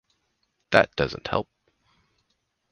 That doesn’t help.